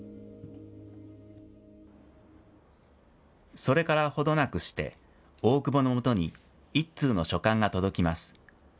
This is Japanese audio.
それからほどなくして、大久保のもとに一通の書簡が届きます。